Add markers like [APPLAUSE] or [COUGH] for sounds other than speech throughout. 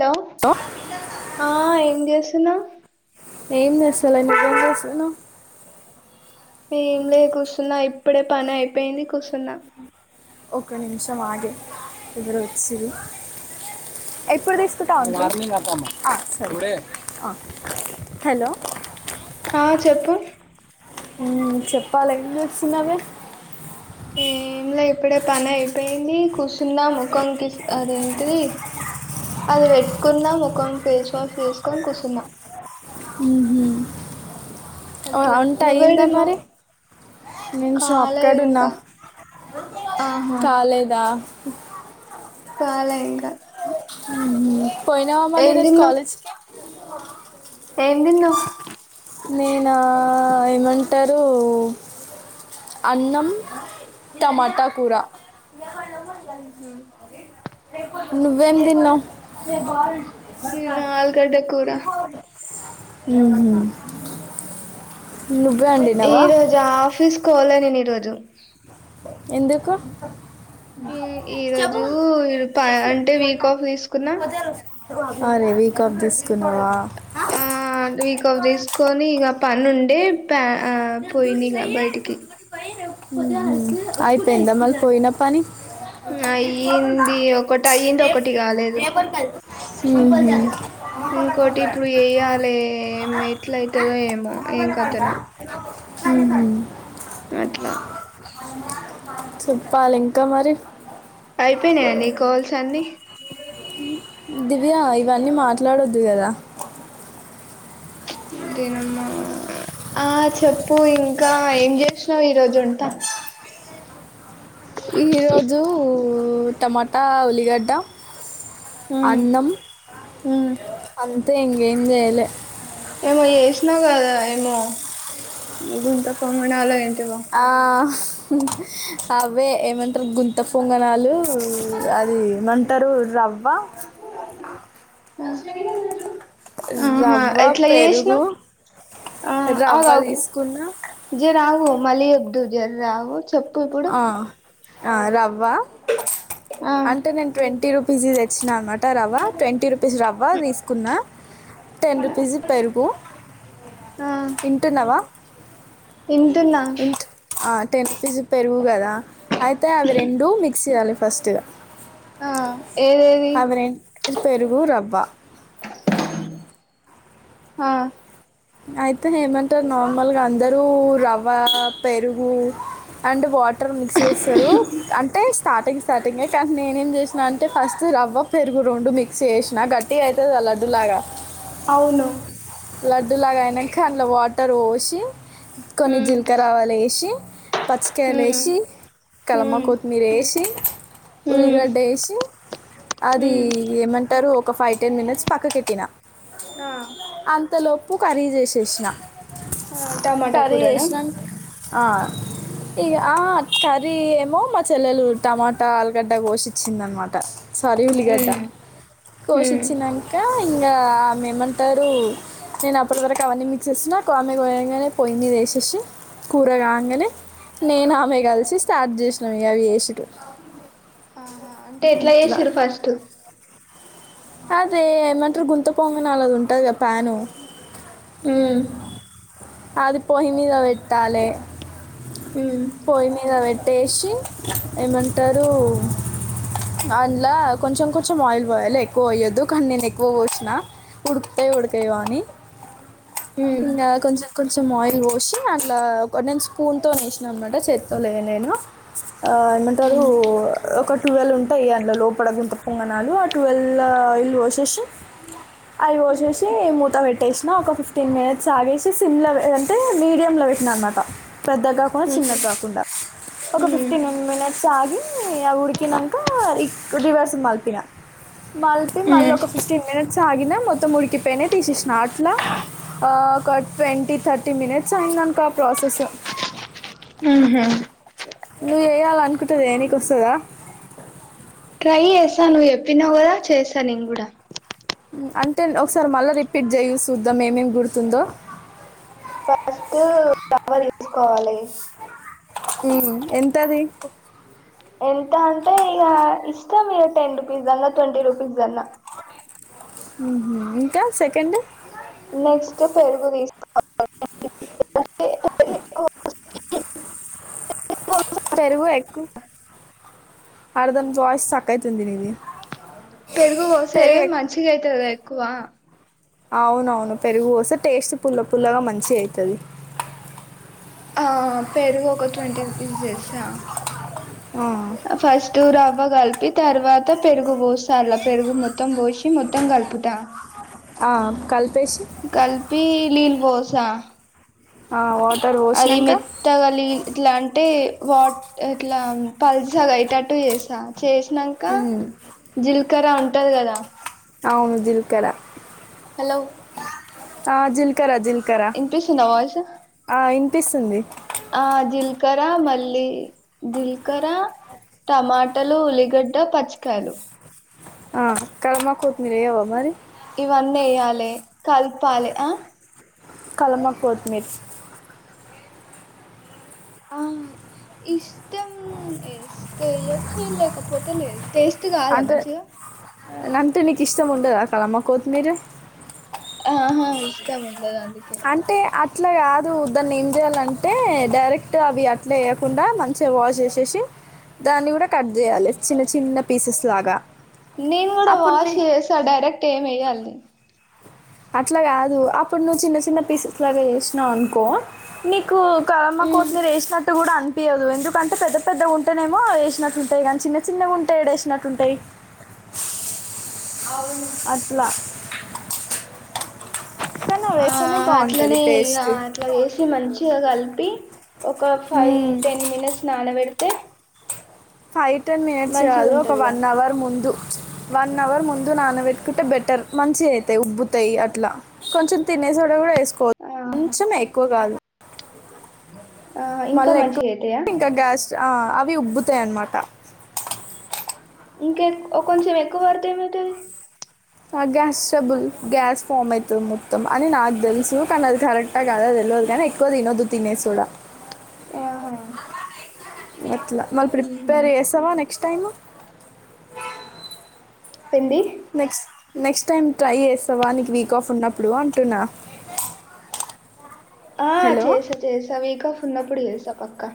Hello ఆ ఏం చేస్తున్నావ్ ఏం చేస్తాలే నువ్వు ఏం చెస్తున్నవ్ ఏం లే కూర్చున్నా ఇప్పుడే పని అయిపోయింది కూర్చున్నా ఒక నిమిషం ఆగే ఎవరోవచ్చిరు ఎప్పుడు తీసుకుంటావ్ అంకుల్‌ అ సరే అ హలో ఆ చెప్పు మ్ చెప్పాలె ఎం చేస్తున్నవే ఏమి లే ఇప్పుడే పని అయిపోయింది కూసున్నం ముఖం కిస్ అదేంటిది అది పెట్టుకున్న ముఖం ఫేస్ వాష్ చేసుకొని కూర్చున్నా మ్ హు అట్లా వంటా అయిందా నువ్వేడున్నావ్ మరి నేను షాప్ కాలేదు కాడ ఉన్నా ఇంకా ఆహా కాలేదా కాలే ఇగ ఊహు పోయినావా మళ్ళీ ఈ రోజు కాలేజ్ కి ఏం తిన్నావ్ నేనా ఏమంటరు అన్నం టమాటా కూర ఊహు నువ్వేం తిన్నావ్ నేనా ఆలుగడ్డ కూర ఉహూ ఈ రోజా ఆఫీస్ కోల నేను ఈరోజు ఎందుకు ఈ ఈరోజు ప అంటే వీక్ ఆఫ్ తీసుకున్నా అరే వీక్ ఆఫ్ తీసుకున్నావా ఆ వీక్ ఆఫ్ తీసుకొని ఇక పని ఉండే ప ఆ పోయి నిగా బయటికి ఉహూ అయిపోయిందా మళ్ళీ పోయిన పని అయ్యింది ఒకటి అయ్యింది రేప్ ఒకటి కాలేదు రేపటికదీ ఊహూ ఇంకోటి ఇప్పుడు ఎయ్యాలే ఏం ఎట్ల అయితదో ఏమో ఏం కథనో ఉహు అట్లా చెప్పాలి ఇంకా మరి అయిపోయినాయా నీ కాల్స్ అన్నీ దివ్యా ఇవన్నీ మాట్లాడొద్దు కదా [INAUDIBLE] దినమ్మా ఆ చెప్పు ఇంకా ఏం చేసినావు ఈ రోజు వంట ఈ రోజు టమాటా ఉల్లిగడ్డ అన్నం అంతే ఇంకేం చేయలే ఏమో చేసినావ్ కదా ఏమో గుంత పొంగనాలు ఏంటి ఆ అవే ఏమంటారు గుంత పొంగనాలు అది ఏమంటరు రవ్వ ఆహా రవ్వ ఎట్ల పెరుగు చేసినవ్ ఆ ఆగు రవ్వ ఆగు తీసుకున్నా జర ఆగు మళ్ళీ చెప్దువు జర ఆగోచు ఆ రవ్వ ఆ అంటే నేను ట్వంటీ రు రూపీస్ ది తెచ్చిన అంగట్ల అట్టా రవ్వ ట్వంటీ రూపీస్ రవ్వ తీసుకున్న టెన్ రూపీస్ ది పెరుగు వింటున్నావా ఇంటున్న ఇంట్ టెన్ రూపీస్ ది పెరుగు కదా అయితే అవి రెండూ మిక్స్ చేయాలి ఫస్ట్ ఆ ఏదేది అవి రెండు పెరుగు రవ్వ ఆ అయితే ఏమంటారు నార్మల్గా అందరు రవ్వ పెరుగు అండ్ వాటర్ మిక్స్ చేస్తారు అంటే స్టార్టింగ్ స్టార్టింగే కానీ నేనేం చేసినా అంటే ఫస్ట్ రవ్వ పెరుగు రొండు మిక్స్ చేసినా గట్టిగా అయితది గా లడ్డూలాగా అవును లడ్డూలాగా అయినాక అందులో వాటర్ పోసి కొన్ని ఉమ్ జీలకరావలు వేసి పచ్చికాయలు ఉమ్ ఏసి కలమ ఉమ్ కొత్తిమీర ఏసి ఉమ్ ఉల్లిగడ్డ ఏసి అది ఉమ్ ఏమంటారు ఒక ఫైవ్ టెన్ మినిట్స్ పక్కకి ఎట్టినా ఆ అంతలోపు కర్రీ చేసేసిన ఆ టమాటా కర్రీ కూరనా చేసినా ఆ ఇ ఆ కర్రీ ఏమో మా చెల్లెలు టమాటా ఆలుగడ్డ కోషించిందనమాట సారీ ఉల్లిగడ్డ ఉమ్ ఉమ్ కోషచ్చినాక ఇంకా ఆమె ఏమంటారు నేను అప్పటి వరకు అవన్నీ మీక్సేసిన కోడిని కోగానే పొయ్యి మీద వేసేసి కూరగాగానే నేను ఆమె కలిసి స్టార్ట్ చేసినాను ఇక వేసుడు ఆహా అంటే ఎట్లా ఇట్లా వసిరు ఫస్ట్ అదే ఏమంటారు గుంత పొంగని అలా ఉంటది ప్యాను ఉ అది పొయ్యి మీద వెట్టాలే పొయి ఉమ్ మీద పొయ్యి మీద పెట్టేసి ఏమంటారు అందుల కొంచెం కొంచెం ఆయిల్ పొయ్యాలి క ఎక్కువ పోయ్యొద్దు కానీ నేను ఎక్కువ పోసిన ఉడుకుతాయా ఉడకయో అని ఉమ్ కొంచెం కొంచెం ఆయిల్ పోసి అట్లా నేను స్పూను తోటి వేసి అనమాట చేతితో అయ్యా లేదు నేను ఆ ఏమంటారు ఉమ్ ఒక టువెల్వ్ ఉంటాయి అందులో లోపల గుంపు పొంగణాలు ఆ టువెల్ ఆయిల్ వసేసి ఆయిల్ పోసేసి మూత పెట్టేసినా ఒక ఫిఫ్టీన్ మినిట్స్ ఆగేసి సిమ్ ల అంటే మీడియం లో పెట్టినా అనమాట పెద్దగా కాకుండా చిన్నది ఉమ్ కాకుండా ఒక ఫిఫ్టీన్ మినిట్స్ ఆగి ఉడికినాక రివర్స్ మగిన మళ్ళ మళ్ళీ ఒక ఫిఫ్టీన్ మినిట్స్ ఆగిన మొత్తం ఉడికి పెనే తీసేసిన అట్లా ఒక ట్వంటీ థర్టీ మినిట్స్ అయింద మొత్తం ప్రాసెస్ ఆహా నువ్వు చేయొద్దు చాలా అనుకుంటది చెయ్యనికి వస్తుందా ట్రై చేసా నువ్వు చెప్పినా కదా చేసా నేను కూడా అంటే ఒకసారి మళ్ళా రిపీట్ చేయి చూద్దాం ఏమేమి గుర్తుందో ఫస్ట్ తవ తీసుకోవాలి ఉ ఎంత అది ఎంత అంటే ఇక ఇష్టం మీ టెన్ రూపీస్ దన్నా ట్వంటీ రూపీస్ దన్నా ఇంకా సెకండ్ నెక్స్ట్ పెరుగు తీసుకోవాలి వాటర్ సౌండ్ చికెన్ తీసికోవాలి పెరుగు ఎగ్గు అర్దం మీ వాయిస్ స్ట్రక్ అవుతుంది పెరుగు పెరుగు పోసేవి ఎక్- మంచిగా అయితుందా ఎక్కువ అవునవును పెరుగుపోస్తే టేస్ట్ పుల్ల పుల్లగా మంచి అవుతుది ఆ పెరుగు ఒక ట్వంటీ రూపీస్ చేస్తా ఆ, ఫస్ట్ రవ్వ కలిపి తర్వాత పెరుగు పోసలా పెరుగు మొత్తం పోసి మొత్తం కలుపుతా ఆ కలిపి కలిపి నీళ్లు పోస్తా ఆ వాటర్ అది పోసినాక మెత్తగ లి ఇట్లా అంటే వాట్ ఎట్లా పల్సగేటట్టు చేసా చేసినాక ఉమ్. జీలకర్ర ఉంటది కదా అవును జీలకర్ర హలో ఆ జీలకర్ర జీలకర్ర వినిపిస్తుందా వయసు ఆ, వినిపిస్తుంది జీలకర్ర జీలకర్ర మల్లీ జీలకర్ర టమాటలు ఉల్లిగడ్డ పచ్చకాయలు ఆ కాలమాక్ కొోట్మిరేయావ మరి ఇవన్నేయ్యాలే కల్పలే ఆ కలమక్ కొత్మీర్ ఆ ఇష్టం ఏస్తేయ్యొచ్చు లేకపోతే లేదు టేస్ట్ కాదా అంటే మంచిగా అంటే నికు ఇష్టం ఉండద కలమక్ కోతి మీర్ ఆహా ఇష్టముండదన్ అంటే అ అట్లా కాదు దాన్నేం చేయాలంటే డైరెక్ట్ అవి అట్లా వేయకుండా మంచిగా వాష్ చేసేసి దాన్ని కూడా కట్ చేయాలే చిన్న చిన్న పీసెస్ లాగా నేను కూడా అప్పుడు వాష్ నీ- చేసా డైరెక్ట్ ఎం ఎయ్యాల్నే అట్లా కాదు అప్పుడు నువ్వు చిన్న చిన్న పీసెస్ లాగా చేసినావు అనుకో నీకు కలమ్మక్ కోత్ మీర్ వేసినట్టు కూడా అన్ చప్పియ్యదు ఎందుకంటే పెద్ద పెద్దగా ఉంటేనేమో వేసినట్టు ఉంటాయి కాని చిన్న చిన్నగా ఉంటే ఎడేశినట్టుంటాయ్ అవును అట్లా కానీ అవి ఆ వేస్తేనే బాగుంటుంది అట్లనే టేస్ట్ అట్లా చేసి మంచిగా కలిపి ఒక ఫైవ్ టెన్ మినిట్స్ నానబెడ్ ఫైవ్ టెన్ మినిట్స్ మంచిగా కాదు ఒక ఉంటదిగా వన్ అవర్ ముందు వన్ అవర్ ముందు నానబట్టుకుంటే బెటర్ మంచి అయితాయి ఉబ్బుతాయి అట్లా కొంచెం తినే నే సోడా కూడా ఎసుకోవ్ ఆహా కొంచమే ఎక్కువ కాదు ఆ ఇంకా మళ్ళా ఎక్కు మంచిగా అయితాయా ఇంకా గ్యాస్ట్ ఆ అప్ అవి ఉబ్బుతాయన్నమాట ఇంకె కొంచెం ఎక్కువ పడతే ఏమయితది ఆ గ్యాస్ స్టబుల్ గ్యాస్ ఫామ్ అయితది మొత్తం అని నాకు తెలుసు కానీ అది కరెక్టా కదా తె ల్వద్ ల్ కానీ ఎక్కువ తినొద్దు తినే సోడా ఆహా ఎట్లా మళ్ళ ఉహు ప్రిపేర్ చేసావా నెక్స్ట్ టైము పిండి నెక్స్ నెక్స్ట్ టైమ్ ట్రై చేస్తావా నీకు వీక్ ఆఫ్ ఉన్నప్పుడు అంటున్నా ఆ హలో చేస్త చేస్త వీకా ఆఫ్ ఉన్నప్పుడు చేస్త పక్కా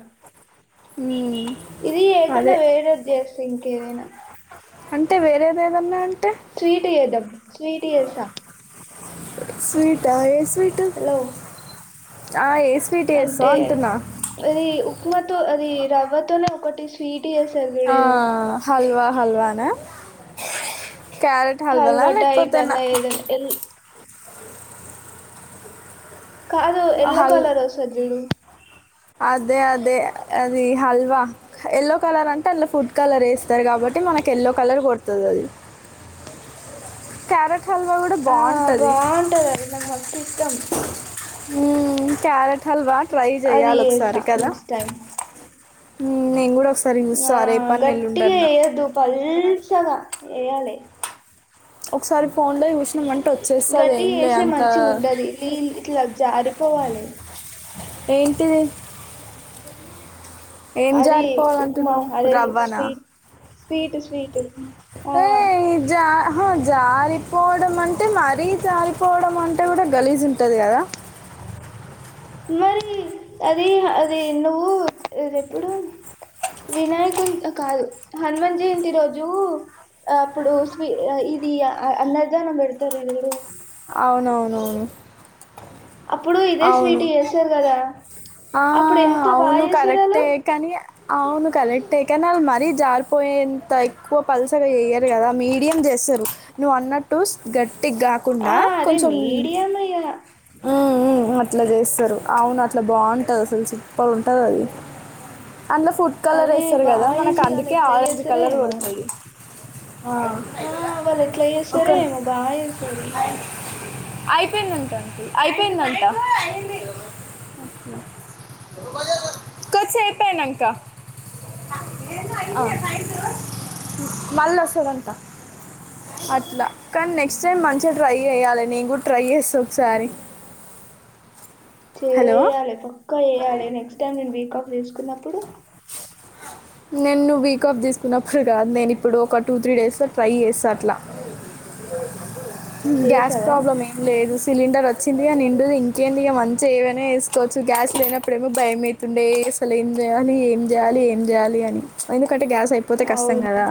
హుమ్మ్ ఇది చేయకుండా వేరెద్ చేస్త ఇంకేదైనా అంటే వేరేదేదన్నా అన్ స్వీట్ చేదం స్వీట్ చెస స్వీట్ ఆ ఏ స్వీట్ హలో ఆ ఏ స్వీట్ చేస్తావు అంటే అంటున్నా అది ఉప్మాతో అది రవ్వతోనే ఒకటి స్వీట్ చేస్తారు చూడు ఆ ఏదో హల్వా హల్వానా క్యారెట్ హల్వాల హల్వా టైప్ అన్న లేకపోతేనా ఏదైనా ఎల్ కాదు ఎల్లో హల్ కలర్ ఒస్తది జుడు అదే అదే అది హల్వా ఎల్లో కలర్ అంటే అందు ఫుడ్ కలర్ వేస్తారు కాబట్ ట్టి మనకు ఎల్లో కలర్ కోడుతది అది క్యారేట్ ఆ బాగుంటది అది నాకు మస్త్ ఇష్టం హుమ్మ్ క్యారెట్ హల్వా ట్రై అది చెయాలి చేస్తా ఒకసారి కదా నెక్స్ట్ టైం హుమ్మ్ నిన్ కూడ ఆ గట్టిగా చెయ్యొద్దు పల్సాగా ఏయాాలే ఒకసారి ఫోన్ లో చుసిన మం గట్టిగ వచేస్తే మంచిగ ఉండది లీల్ ఇట్లా జారిపోవాలే ఏంటిది ఏం అది ఉప్మా జారిపోవాలంటున్నవు అదే రవ్వనా స్వీట్ స్వీట్ స్వీట్ ఆ ఏజా హా జారిపోవడం అంటే మరీ జారిపోవడం అంటే కూడా గలీజు ఉంటది కదా మరి అది అది నువ్వు ఇది ఎప్పుడు వినాయకు కాదు హనుమన్ జయంతి రోజు అప్పుడు స్వి ఇది అన్న ధానం పెడతారు ఎగుడు [UNINTELLIGIBLE] అవునవునవును అప్పుడు ఇదే అవును. స్వీట్ వేసారు కదా ఆ అప్పుడు ఎంత బాగా అవును చేస్తారు కరెక్ట్ ఆళ్ళు కానీ అవును కరెక్టే కానీ అలా మరీ జారిపోయేంత ఎక్కువ పల్సగా చేయరు కదా మీడియం చేస్తారు నువ్వు అన్నట్టు గట్టి కాకుండా ఆ అదే కొంచెం మీడియం ఇగ అట్లా చేస్తారు అవును అట్లా బాగుంటది అసలు సూపర్ ఉంటుంది అది అందులో ఫుడ్ కలర్ అదే వేస్తారు కదా బాగా మనకు చేస్తారు ఆళ్ళు అందుకే ఎట్లా ఆరెంజ్ చేస్తారో కలర్ ఏమో కొడుతది ఆ ఆ వాళ్ళు ఎట్లా ఒకే చేస్తారో ఏమో బాగా చేస్తారు అయిపోయిందింట అండి అయిపోయిందట కొద్ది సేపు అయినంక ఆ మల్ల వస్తడంట అట్లా కానీ నెక్స్ట్ టైమ్ మంచిగా ట్రై చేయాలి నేను కూడా ట్రై చేస్తా ఒకసారి హలో చేయాలి పక్కా చేయాలి నెక్స్ట్ టైం నేను వీక్ ఆఫ్ తీసుకున్నప్పుడు నిన్ను వీక్ ఆఫ్ తీసుకున్నప్పుడు కాదు నేను ఇప్పుడు ఒక టూ త్రీ డేస్ లో ట్రై చేస్తా అట్లా గ్యాస్ చేసావా ప్రాబ్లమ్ ఏం లేదు సిలిండర్ వచ్చింది ఇక నిండుది ఇంకేంటి ఇక మంచిగా ఏవైనా చేసుకోవచ్చు గ్యాస్ లేనప్పుడేమో భయమయితుండే అసలు ఏం చేయాలి ఏం చేయాలి ఏం చేయాలి అని ఎందుకు గ్యాస్ అయిపోతే కష్టం అవును కదా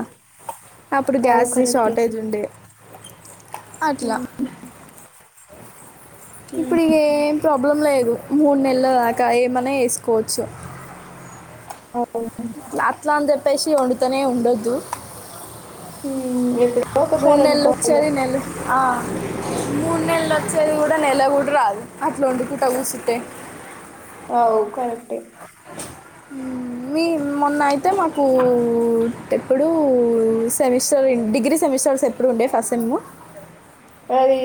అప్పుడు అవు గ్యాస్ కరెక్ట్ షార్టేజ్ ఉండే అట్లా ఇప్పుడి ఇగ ప్రాబ్లం లేదు మూడు నెలల దాకా ఏమన్నా చేసుకోవచ్చు ఆ అట్లా అని చెప్పేసి వండుతనే ఉండొద్దు ఉం ఎప్పుడు మూడు నెలలు వచ్చేది నెల ఆ మూడు నెలలు వచ్చేది కూడా నెల కూడా రాదు అట్లా వండుకుట కూర్చుంటే అవు కరెక్టే ఉం మీ మొన్న అయితే మాకు ఎప్పుడు సెమిస్టర్ డిగ్రీ సెమిస్టర్స్ ఎప్పుడు ఉండే ఫస్ట్ సేమ్ అది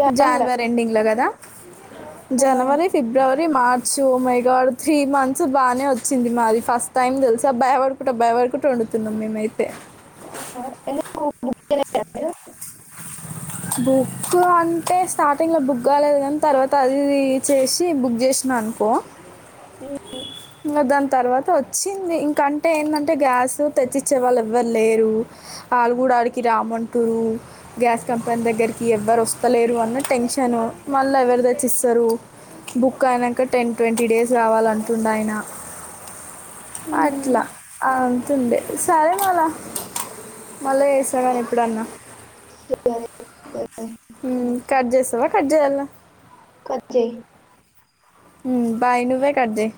జాన్ల జానవరి ఎండింగ్ లో కదా ఆ జనవరి ఫిబ్రవరి మార్చ్ సో మైగా డ్ త్రీ మంత్స్ బానే వచ్చింది మాది ఫస్ట్ టైమ్ తెలుసా భయపడుకుట భయపడకుట వండు తిన్నాం మేమైతే [INAUDIBLE] బుక్ అంటే స్టార్టింగ్ లో బుక్ కాలేదు కానీ తర్వాత అది చేసి బుక్ చేసిన నన్కో మీరు ఇం గ దాని తర్వాత వచ్చింది ఇంకంటే ఏందం టే గ్యాస్ తెచ్చిచ్చే వాళ్ళు ఎవ్వరు లేరు ఆల్లు గూడ ఆడికి రామంటూరు గ్యాస్ కంపెనీ దగ్గరికి ఎవ్వరు వస్తలేరు అన్న టెన్షన్ చ్చను మళ్ళీ ఎవరు తెచ్చిస్తారు బుక్ అయినాక టెన్ ట్వంటీ డేస్ కవలంటుండ ఆయన న అట్లా ఆ డే సరే మళ్ళ మళ్ళా చేస్తా కానీ ఎప్పుడన్నా సరే సరే ఉమ్ కట్ చేస్తావా కట్ చేయాలా కట్ చెయ్ ఉమ్ బాయ్ నువ్వే కట్ చెయ్